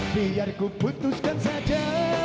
biar ku putuskan saja